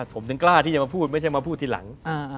ผมถึงกล้าที่จะมาพูดไม่ใช่มาพูดทีหลัง